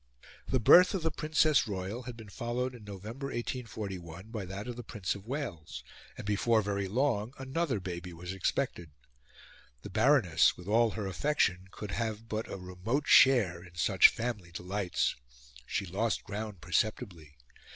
The birth of the Princess Royal had been followed in November, 1841, by that of the Prince of Wales; and before very long another baby was expected. The Baroness, with all her affection, could have but a remote share in such family delights. She lost ground perceptibly.